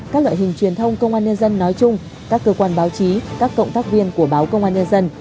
các loại hình truyền thông công an nhân dân nói chung các cơ quan báo chí các cộng tác viên của báo công an nhân dân